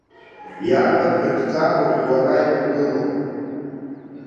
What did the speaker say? Иарбан ҳәынҭқарроу уара иургыло?!